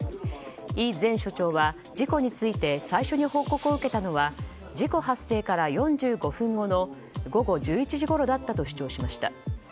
イ前署長は、事故について最初に報告を受けたのは事故発生から４５分後の午後１１時ごろだったと主張しました。